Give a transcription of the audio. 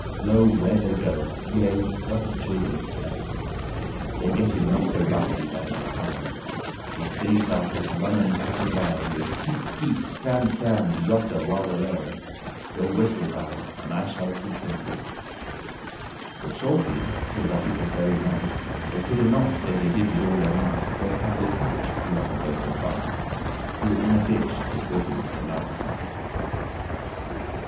Lo where they go! yea, let the children play: They get him not so lightly, by my crown." These silly clerkes runnen up and down With "Keep, keep; stand, stand; jossa*, warderere. *turn Go whistle thou, and I shall keep* him here." *catch But shortly, till that it was very night They coulde not, though they did all their might, Their capel catch, he ran alway so fast: Till in a ditch they caught him at the last.